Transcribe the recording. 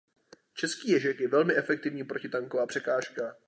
Český ježek je velmi efektivní protitanková překážka.